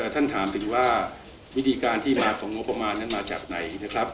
ท่านถามถึงว่าวิดีาการที่มาของงบประมาณงั้นนั้นมาจากไหน